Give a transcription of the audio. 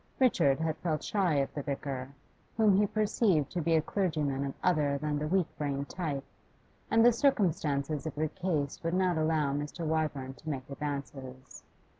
Richard had felt shy of the vicar, whom he perceived to be a clergyman of other than the weak brained type, and the circumstances of the case would not allow Mr. Wyvern to make advances.